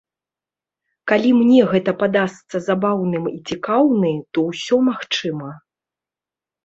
Калі мне гэта падасца забаўным і цікаўны, то ўсё магчыма.